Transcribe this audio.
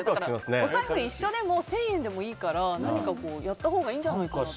お財布一緒でも１０００円でもいいから何かやったほうがいいんじゃないかなって。